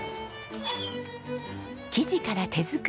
生地から手作り。